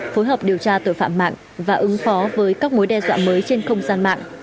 phối hợp điều tra tội phạm mạng và ứng phó với các mối đe dọa mới trên không gian mạng